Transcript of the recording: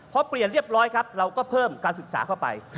พอเปลี่ยนเรียบร้อยครับเราก็เพิ่มการศึกษาเข้าไป